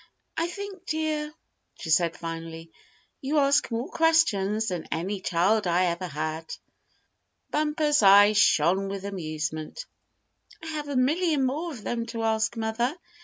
"I think, dear," she said finally, "you ask more questions than any child I ever had." Bumper's eyes shone with amusement. "I have a million more of them to ask, mother.